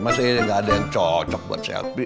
masa ini gak ada yang cocok buat selfie